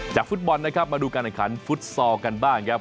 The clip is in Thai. ฟุตบอลนะครับมาดูการแข่งขันฟุตซอลกันบ้างครับ